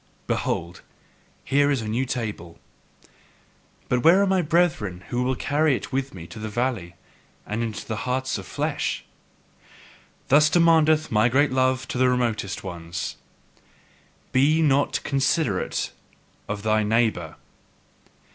Behold, here is a new table; but where are my brethren who will carry it with me to the valley and into hearts of flesh? Thus demandeth my great love to the remotest ones: BE NOT CONSIDERATE OF THY NEIGHBOUR!